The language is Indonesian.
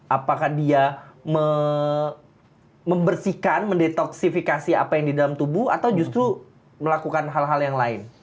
apakah dia membersihkan mendetoksifikasi apa yang di dalam tubuh atau justru melakukan hal hal yang lain